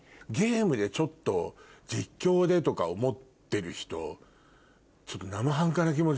ゲームでちょっと実況でとか思ってる人ちょっと。